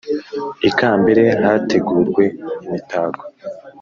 Ikambere hategurwe imitako